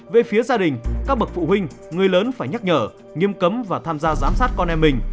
về phía gia đình các bậc phụ huynh người lớn phải nhắc nhở nghiêm cấm và tham gia giám sát con em mình